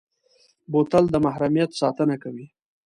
بوتل د محرمیت ساتنه کوي.